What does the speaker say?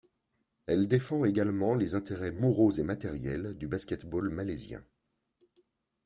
Elle défend également les intérêts moraux et matériels du basket-ball malaisien.